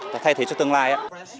và thay thế cho tương lai